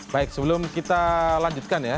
baik sebelum kita lanjutkan ya